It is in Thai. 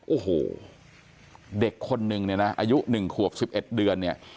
โอ้โหเด็กคนนึงเนี่ยนะอายุ๑ขวบ๑๑เดือนเนี่ย